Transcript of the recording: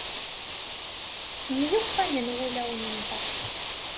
Myuqqanen wulawen-nteɣ.